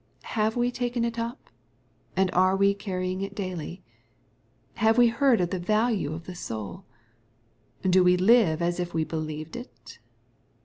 Have we taken it up, and are we carrying it daily ?— We have heard of the value of the souL Do we live as if we believed it